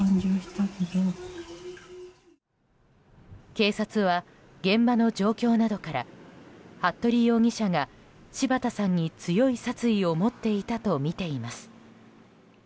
警察は現場の状況などから服部容疑者が柴田さんに、強い殺意を持っていたとみています。